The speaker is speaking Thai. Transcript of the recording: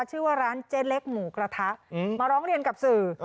ชื่อว่าร้านเจ๊เล็กหมูกระทะมาร้องเรียนกับสื่อ